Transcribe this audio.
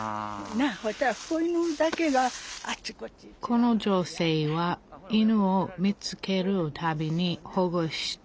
この女性は犬を見つけるたびに保護してきました。